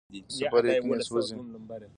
د سفر یقین یې سوزي